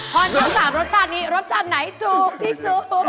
พอทั้ง๓รสชาตินี้รสชาติไหนถูกที่สุด